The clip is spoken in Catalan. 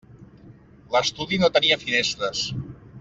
L'estudi no tenia finestres.